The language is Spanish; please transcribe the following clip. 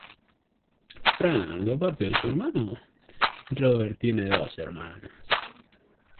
Frank aparte de su hermano Robert tiene dos hermanas.